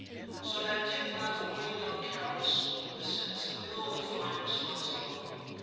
So that Tim rather weighed on Carol's soul with a sense of ill defined responsibility.